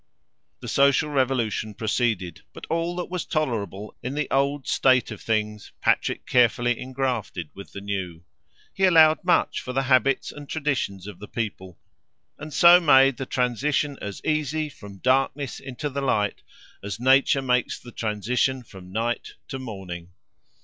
The social revolution proceeded, but all that was tolerable in the old state of things, Patrick carefully engrafted with the new. He allowed much for the habits and traditions of the people, and so made the transition as easy, from darkness into the light, as Nature makes the transition from night to morning.